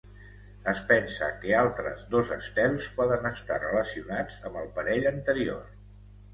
Es pensa que altres dos estels poden estar relacionats amb el parell anterior.